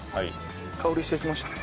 香りしてきましたね。